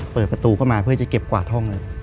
เปิดประตูเข้ามาเพื่อจะเก็บกวาดห้องเลย